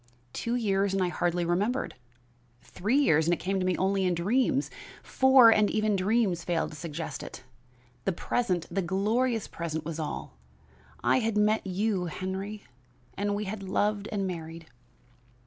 Two years and I hardly remembered; three years and it came to me only in dreams; four and even dreams failed to suggest it; the present, the glorious present was all. I had met you, Henry, and we had loved and married.